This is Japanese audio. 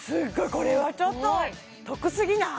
これはちょっとすっごい得すぎない？